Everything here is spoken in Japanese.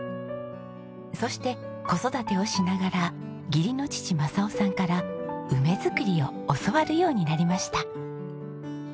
そして子育てをしながら義理の父正雄さんから梅作りを教わるようになりました。